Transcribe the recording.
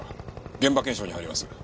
現場検証に入ります。